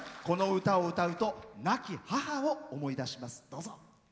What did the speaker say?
この歌を歌うと亡き母を思い出します。